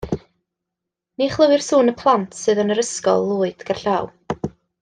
Ni chlywir sŵn y plant sydd yn yr ysgol lwyd gerllaw.